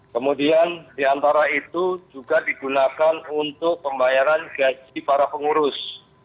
kemudian diantara itu juga digunakan untuk pembayaran gaji para pengurus